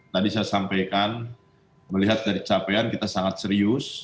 tadi saya sampaikan melihat dari capaian kita sangat serius